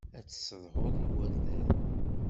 Ad tessedhuḍ igerdan.